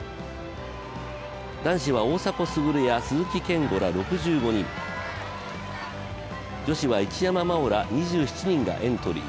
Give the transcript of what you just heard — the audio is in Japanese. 男子は大迫傑や鈴木健吾ら６５人、女子は一山麻緒ら２７人がエントリー。